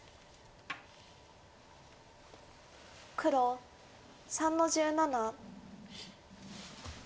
黒３の十七。